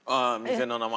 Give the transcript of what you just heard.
店の名前。